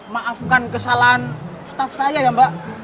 maafkan kesalahan staff saya ya mbak